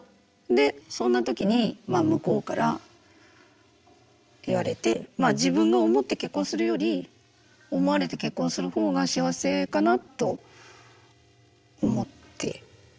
でそんな時に向こうから言われてまあ自分が思って結婚するより思われて結婚するほうが幸せかなと思ってまあ結婚したっていう。